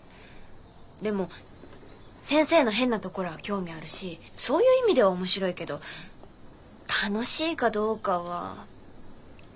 でも先生の「変」なところは興味あるしそういう意味ではおもしろいけど楽しいかどうかは。